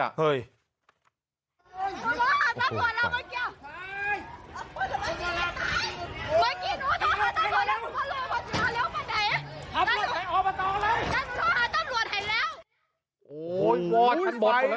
โอ้โหวอดทั้งหมด